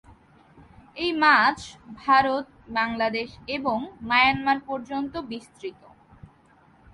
এই মাছ ভারত, বাংলাদেশ এবং মায়ানমার পর্যন্ত বিস্তৃত।